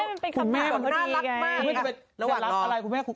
น่ารักมาก